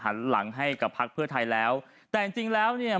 หันหลังให้กับพักเพื่อไทยแล้วแต่จริงจริงแล้วเนี่ย